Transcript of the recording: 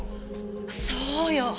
そうよ